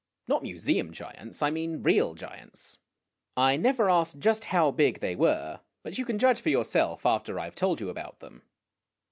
Not museum giants, I mean real giants. I never asked just how big they were, but you can judge for yourself after I have told you about them.